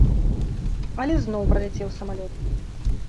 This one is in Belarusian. Але зноў праляцеў самалёт.